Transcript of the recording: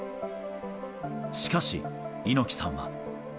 しかし、猪木さんは。